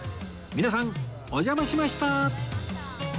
皆さんお邪魔しました！